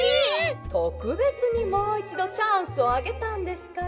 「とくべつにもういちどチャンスをあげたんですから！